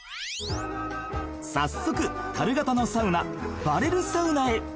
［早速樽形のサウナバレルサウナへ］